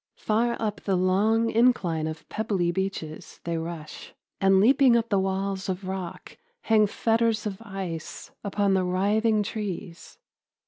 Far up the long incline of pebbly beaches they rush, and leaping up the walls of rock hang fetters of ice upon the writhing trees.